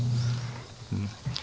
うん。